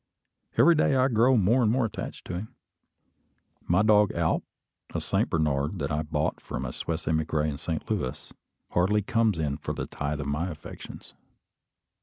Every day I grow more and more attached to him. My dog Alp, a Saint Bernard that I bought from a Swiss emigre in Saint Louis, hardly comes in for a tithe of my affections.